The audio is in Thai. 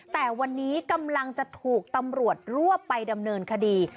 แต่วันนี้กำลังจะถูกตำรวจรวบไปดำเนินคดี